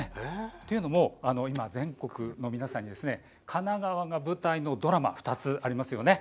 というのも、今、全国の皆さんに神奈川が舞台のドラマ２つありますよね。